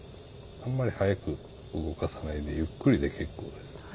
あんまり速く動かさないでゆっくりで結構です。